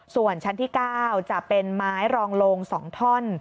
ส่วนชั้นที่๙จะเป็นไม้รองโลง๒ท่อน